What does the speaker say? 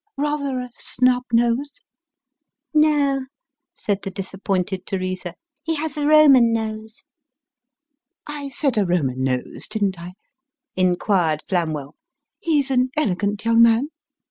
" Rather a snub nose ?"" No," said the disappointed Teresa, " he has a Roman nose." " I said a Roman nose, didn't I ?" inquired Flamwell. " He's an elegant young man